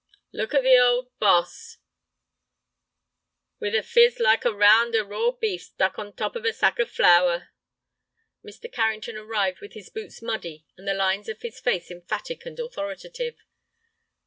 "Look at the hold boss, with a phiz like a round o' raw beef stuck hon top of a sack of flour." Mr. Carrington arrived with his boots muddy and the lines of his face emphatic and authoritative.